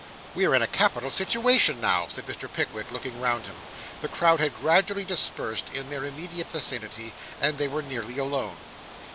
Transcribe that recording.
'We are in a capital situation now,' said Mr. Pickwick, looking round him. The crowd had gradually dispersed in their immediate vicinity, and they were nearly alone.